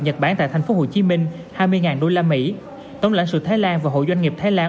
nhật bản tại tp hcm hai mươi usd tổng lãnh sự thái lan và hội doanh nghiệp thái lan